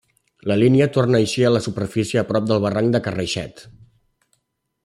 La línia torna a eixir a la superfície a prop del barranc del Carraixet.